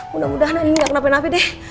mudah mudahan andin gak kena penafi deh